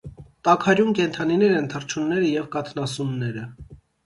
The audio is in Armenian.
Տաքարյուն կենդանիներ են թռչունները և կաթնասունները։